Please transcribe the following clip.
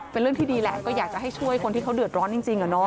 เป็นเรื่องที่ดีแหละก็อยากจะให้ช่วยคนที่เขาเดือดร้อนจริง